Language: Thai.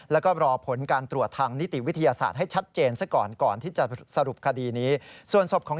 และก็รอผลการตรวจทางนิติวิทยาศาสตร์ให้ชัดเจนซะก่อน